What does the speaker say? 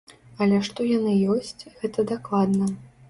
Але што яны ёсць, гэта дакладна.